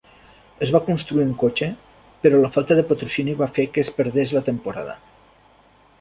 Es va construir un cotxe, però la falta de patrocini va fer que es perdés la temporada.